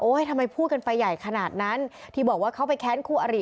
ทำไมพูดกันไปใหญ่ขนาดนั้นที่บอกว่าเขาไปแค้นคู่อริ